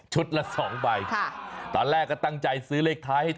ชุดละ๒ใบค่ะตอนแรกก็ตั้งใจซื้อเลขท้าย